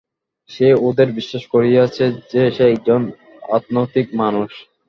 সে ওদের বিশ্বাস করিয়েছে যে সে একজন আধ্যাত্মিক মানুষ।